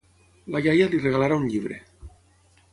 La iaia li regalarà un llibre.